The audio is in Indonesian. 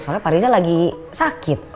soalnya pak riza lagi sakit